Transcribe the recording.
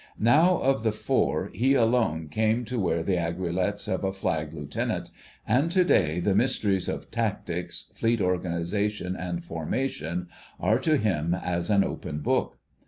Now of the four he alone came to wear the aiguilettes of a Flag Lieutenant, and to day the mysteries of Tactics, Fleet Organisation and Formation, are to him as an open book.